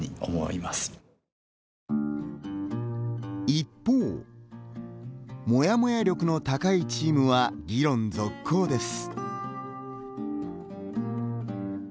一方モヤモヤ力の高いチームは議論続行です。